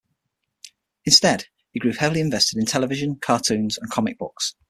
Instead, he grew heavily invested in television, cartoons, and comic books.